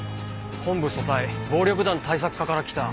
本部組対暴力団対策課から来た。